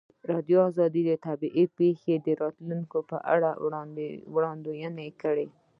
ازادي راډیو د طبیعي پېښې د راتلونکې په اړه وړاندوینې کړې.